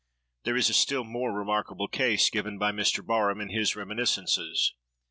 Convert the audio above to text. There is a still more remarkable case given by Mr. Barham in his reminiscences.